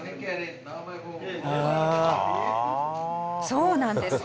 そうなんです。